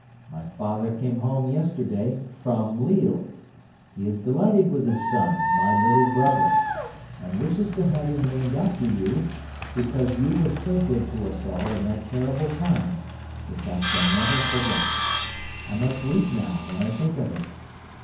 My father came home yesterday from Lille. He is delighted with his son, my little brother, and wishes to have him named after you, because you were so good to us all in that terrible time, which I shall never forget. I must weep now when I think of it.